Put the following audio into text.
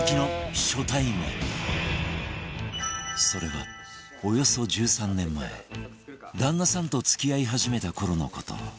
それはおよそ１３年前旦那さんと付き合い始めた頃の事